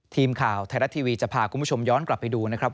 ทีมข่าวไทยรัฐทีวีจะพาคุณผู้ชมย้อนกลับไปดูนะครับ